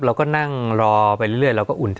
เราก็นั่งรอไปเรื่อยเราก็อุ่นใจ